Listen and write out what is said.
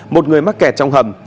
một người mắc kẹt trong hầm